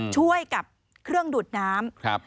ช่วยกับเครื่องดูดน้ำ